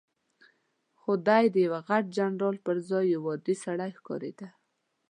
خو دی د یوه غټ جنرال پر ځای یو عادي سړی ښکارېده.